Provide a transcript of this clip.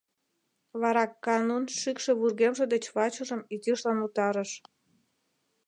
Вара Каанун шӱкшӧ вургемже деч вачыжым изишлан утарыш.